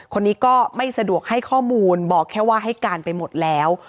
คนนี้ก็ไม่สะดวกให้ข้อมูลบอกแค่ว่าให้การไปหมดแล้ว